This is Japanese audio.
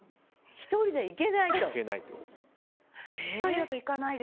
１人じゃ行けないと。